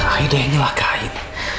aida yang celakain